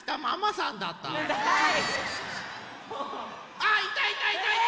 あいたいたいたいた！